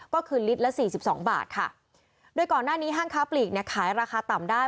ก็คือลิตรละสี่สิบสองบาทค่ะโดยก่อนหน้านี้ห้างค้าปลีกเนี่ยขายราคาต่ำได้